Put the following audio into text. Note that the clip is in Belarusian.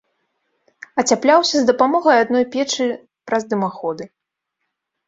Ацяпляўся з дапамогай адной печы праз дымаходы.